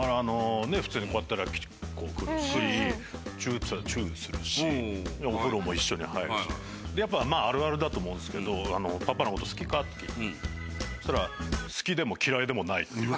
普通にこうやったら、こう来るし、チュってしたらチュするし。お風呂も一緒に入るし、あるあるだと思うんですけど、パパのこと好きか？って聞くと、好きでも嫌いでもないっていう。